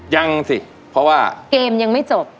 ยังสิเพราะว่าเกมยังไม่จบ